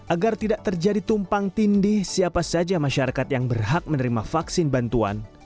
agar tidak terjadi tumpang tindih siapa saja masyarakat yang berhak menerima vaksin bantuan